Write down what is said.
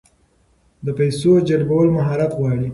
د پیسو جلبول مهارت غواړي.